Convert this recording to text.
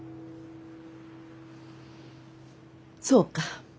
そうか。